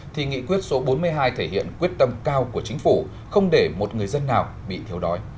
thì nghị quyết số bốn mươi hai thể hiện quyết tâm cao của chính phủ không để một người dân nào bị thiếu đói